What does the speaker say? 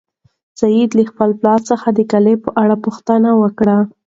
سعید له خپل پلار څخه د کلا په اړه پوښتنه وکړه.